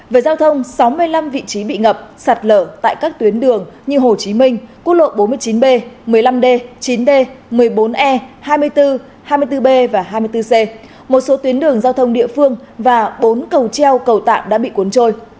về giao thông sáu mươi năm vị trí bị ngập sặt lở tại các tuyến đường như hồ chí minh cý tây một số tuyến đường giao thông địa phương và bốn cầu treo cầu tạm đã bị cuốn trôi